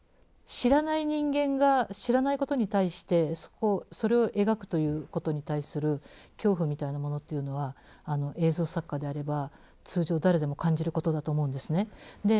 知らない人間が知らないことに対してそれを描くということに対する恐怖みたいなものというのは映像作家であれば通常誰でも感じることだと思うんですね。